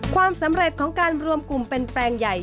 ความสำเร็จของการรวมกลุ่มเป็นแปลงใหญ่